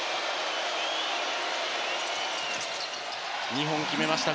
２本、決めました。